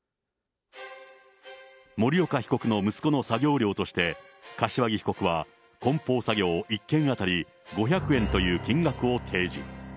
森岡被告の息子の作業料として、柏木被告はこん包作業１件当たり５００円という金額を提示。